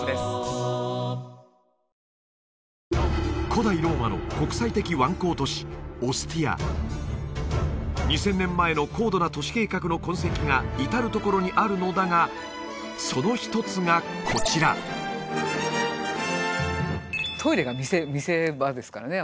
古代ローマの国際的湾口都市オスティア２０００年前の高度な都市計画の痕跡が至るところにあるのだがその一つがこちらトイレが見せ場ですからね